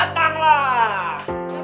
menurut kamu balikin jangan